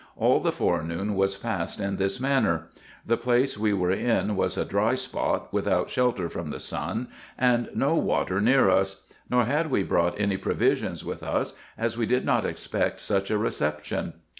All the forenoon was passed in this manner. The place we were in was a dry spot, without shelter from the sun, and no water near us ; nor had we brought any provisions with us, as we did not expect such a reception.